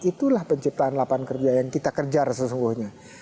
itulah penciptaan lapangan kerja yang kita kejar sesungguhnya